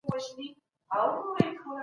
ولې علماوو ته دومره ارزښت ورکړل سو؟